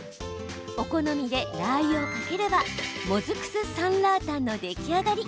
お好みでラーユをかければもずく酢サンラータンの出来上がり。